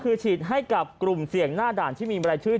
คือฉีดให้กับกลุ่มเสี่ยงหน้าด่านที่มีรายชื่อ